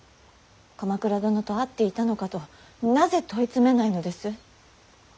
鎌倉殿と会っていたのかとなぜ問い詰めないのです。